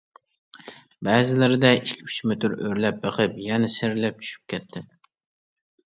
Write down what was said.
بەزىلىرىدە ئىككى-ئۈچ مېتىر ئۆرلەپ بېقىپ يەنە سىيرىلىپ چۈشۈپ كەتتىم.